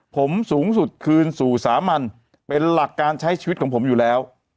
ผมสูงสุดคืนสู่สามัญเป็นหลักการใช้ชีวิตของผมอยู่แล้ว